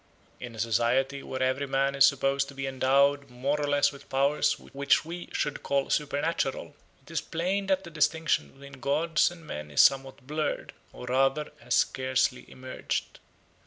In a society where every man is supposed to be endowed more or less with powers which we should call supernatural, it is plain that the distinction between gods and men is somewhat blurred, or rather has scarcely emerged.